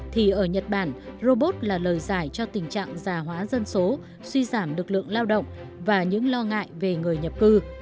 thì ở nhật bản robot là lời giải cho tình trạng già hóa dân số suy giảm lực lượng lao động và những lo ngại về người nhập cư